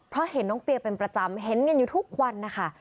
เพราะเห็นน้องเปียเป็นประจำเห็นกันอยู่ทุกวันนะคะ